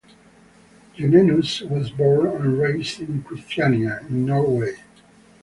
Gunnenus was born and raised in Christiania in Norway.